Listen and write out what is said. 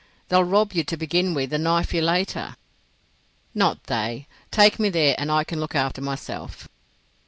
They'll rob you to begin with, and knife you later." "Not they. Take me there, and I can look after myself."